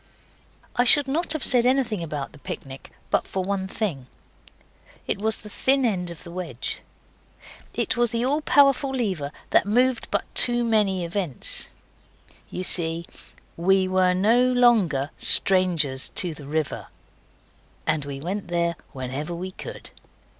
I should not have said anything about the picnic but for one thing. It was the thin edge of the wedge. It was the all powerful lever that moved but too many events. You see, WE WERE NO LONGER STRANGERS TO THE RIVER. And we went there whenever we could.